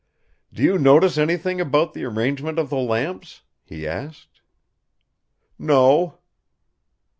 "'Do you notice anything about the arrangement of the lamps?' he asked. "'No!